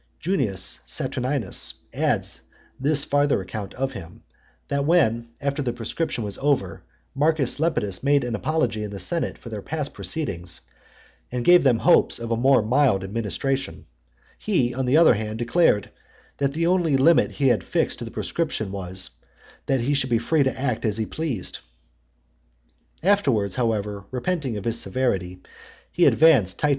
Junius Saturnius adds this farther account of him: that when, after the proscription was over, Marcus Lepidus made an apology in the senate for their past proceedings, and gave them hopes of a more mild administration for the future, because they had now sufficiently crushed their enemies; he, on the other hand, declared that the only limit he had fixed to the proscription was, that he should be free to act as he pleased. Afterwards, however, repenting of his severity, he advanced T.